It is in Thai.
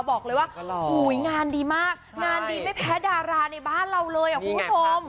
บอกเลยว่างานดีมากงานดีไม่แพ้ดาราในบ้านเราเลยคุณผู้ชม